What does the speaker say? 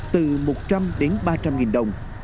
từ một trăm linh đến ba trăm linh nghìn đồng